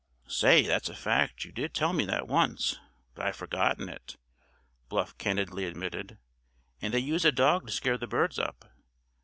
"Say, that's a fact, you did tell me that once, but I'd forgotten it," Bluff candidly admitted. "And they use a dog to scare the birds up.